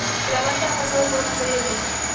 La banda ha pasado por una serie de músicos.